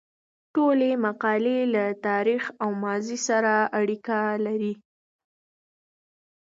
ټولې مقالې له تاریخ او ماضي سره اړیکه لري.